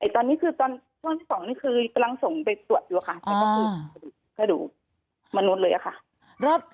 ตอนที่๒นี่คือกำลังส่งไปตรวจดูอะค่ะแล้วก็คือกระดูกมนุษย์เลยอะค่ะ